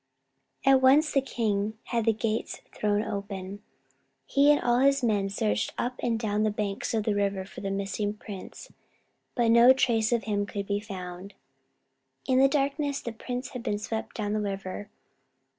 At once the king had the gates thrown open. He and all his men searched up and down the banks of the river for the missing prince. But no trace of him could be found. In the darkness the prince had been swept down the river.